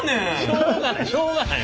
しょうがないしょうがない